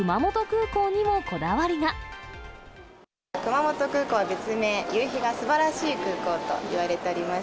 熊本空港は別名、夕日がすばらしい空港といわれております。